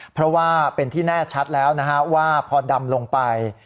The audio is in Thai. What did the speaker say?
เพราะว่าเป็นที่แน่ชัดแล้วนะฮะว่าพอดำลงไป